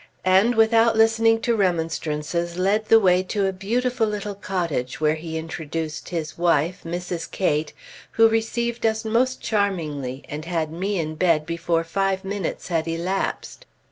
And, without listening to remonstrances, led the way to a beautiful little cottage, where he introduced his wife, Mrs. Cate, who received us most charmingly, and had me in bed before five minutes had elapsed.